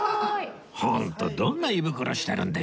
ホントどんな胃袋してるんでしょうね？